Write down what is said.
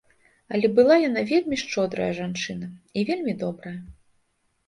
Але была яна вельмі шчодрая жанчына і вельмі добрая.